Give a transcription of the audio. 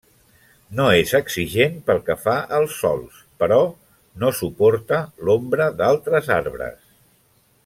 No és exigent pel que fa als sòls però no suporta l'ombra d'altres arbres.